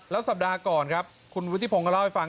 แล้วสัปดาห์ก่อนครับคุณวุฒิพงศ์ก็เล่าให้ฟัง